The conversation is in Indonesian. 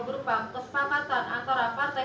berupa kesepakatan antara partai